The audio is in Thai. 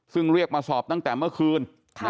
ซึ่งเรียกมาสอบตั้งแต่เมื่อคืน